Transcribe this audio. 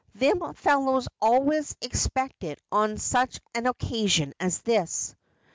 ' Thim fellows always exj^ect it on such an occasion as this.'